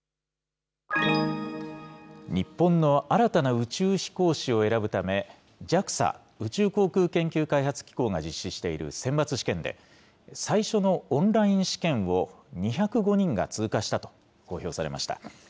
日本の新たな宇宙飛行士を選ぶため、ＪＡＸＡ・宇宙航空研究開発機構が実施している選抜試験で、最初のオンライン試験を２０５人が通過したと公表されました。